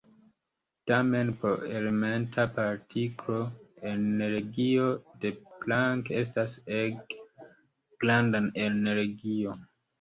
Tamen por elementa partiklo energio de Planck estas ege granda energio.